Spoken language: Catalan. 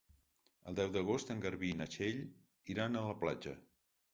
El deu d'agost en Garbí i na Txell iran a la platja.